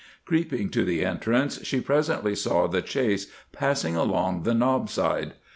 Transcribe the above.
Creeping to the entrance, she presently saw the chase passing along the knob side.